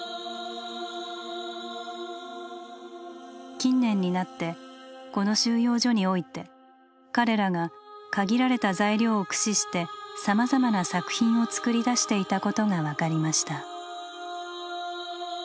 近年になってこの収容所において彼らが限られた材料を駆使してさまざまな作品を作り出していたことが分かりました。